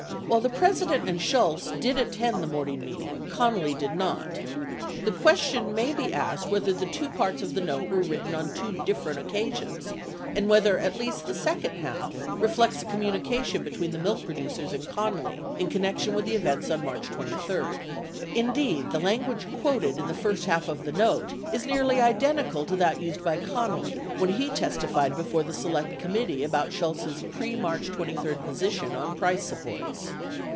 While the President and Shultz did attend the morning meeting, Connally did not. The question may be asked whether the two parts of the note were written on two dif ferent occasions, and whether at least the second half reflects a com munication between the milk producers and Connally in connection with the events on March 23. Indeed, the language quoted in the first half of the note is nearly identical to that used by Connally when he testified before the Select Committee about Shultz' pre March 23 position on price supports.